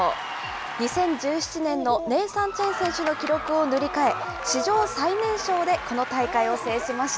２０１７年のネーサン・チェン選手の記録を塗り替え、史上最年少でこの大会を制しました。